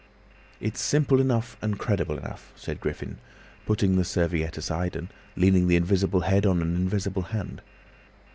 "It's simple enough—and credible enough," said Griffin, putting the serviette aside and leaning the invisible head on an invisible hand.